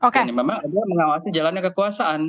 dan memang ada yang mengawasi jalannya kekuasaan